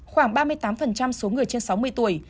khoảng ba mươi tám số người trên sáu mươi tuổi